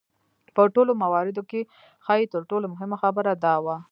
په ټولو مواردو کې ښايي تر ټولو مهمه خبره دا وه.